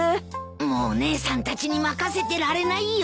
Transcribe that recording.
もう姉さんたちに任せてられないよ。